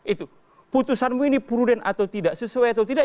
itu putusanmu ini prudent atau tidak sesuai atau tidak